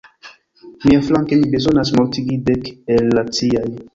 Miaflanke, mi bezonas mortigi dek el la ciaj.